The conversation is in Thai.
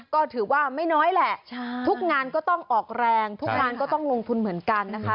ก็ถือว่าไม่น้อยแหละทุกงานก็ต้องออกแรงทุกงานก็ต้องลงทุนเหมือนกันนะคะ